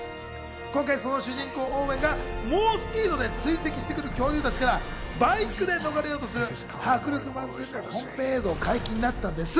今回その主人公・オーウェンが猛スピードで追跡してくる恐竜たちからバイクで逃れようとする迫力満点の本編映像が解禁になったんです。